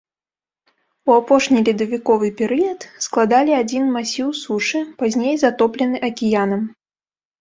У апошні ледавіковы перыяд складалі адзіны масіў сушы, пазней затоплены акіянам.